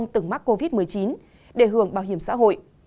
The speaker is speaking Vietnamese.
từng mắc covid một mươi chín để hưởng bảo hiểm xã hội